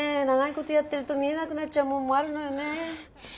長いことやってると見えなくなっちゃうもんもあるのよね。